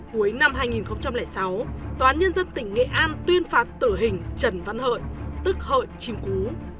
cuối năm hai nghìn sáu tòa án nhân dân tỉnh nghệ an tuyên phạt tử hình trần văn hợi tức hợi chim cú